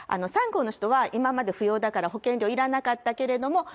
３号の人は今まで扶養だから、保険料いらなかったけれども。